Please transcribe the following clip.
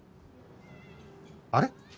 あれ？